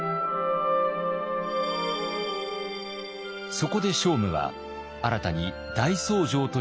そこで聖武は新たに大僧正という位を作ります。